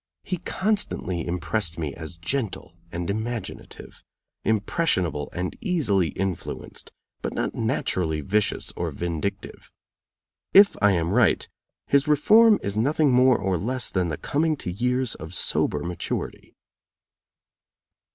He constantly impressed me as gentle and imaginative, impressionable and easily influenced, but not naturally vicious or vindictive. If I am right, his reform is nothing more or less than the coming to years of sober maturity.